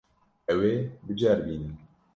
Ew ê biceribînin.